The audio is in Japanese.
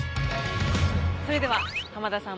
それでは浜田さん